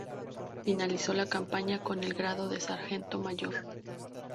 Finalizó la campaña con el grado de sargento mayor.